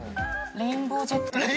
レインボージェット。